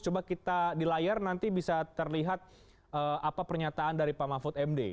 coba kita di layar nanti bisa terlihat apa pernyataan dari pak mahfud md